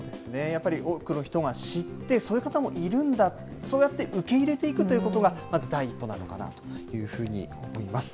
やっぱり、多くの人が知って、そういう方もいるんだ、そうやって受け入れていくということが、まず第一歩なのかなというふうに思います。